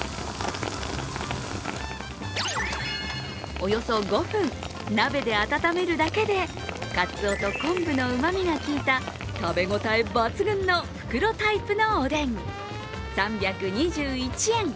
およそ５分、鍋で温めるだけでかつおと昆布のうまみが効いた食べ応え抜群の袋タイプのおでん、３２１円。